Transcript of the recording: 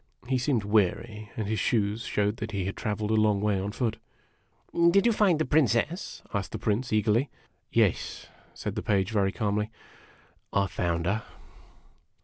He seemed weary, and his shoes showed that he had traveled a long way on foot. "Did you find the Princess?" asked the Prince, eagerly. " Yes," said the Page, very calmly. " I found her."